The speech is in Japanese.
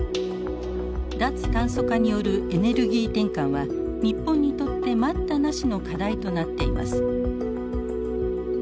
脱炭素化によるエネルギー転換は日本にとって待ったなしの課題となっています。